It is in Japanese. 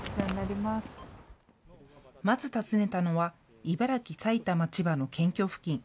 まず訪ねたのは茨城・埼玉・千葉の県境付近。